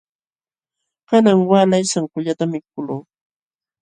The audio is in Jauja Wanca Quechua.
Kanan waalay sankullatam mikukuqluu.